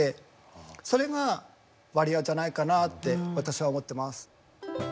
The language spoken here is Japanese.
それがバリアじゃないかなって私は思ってます。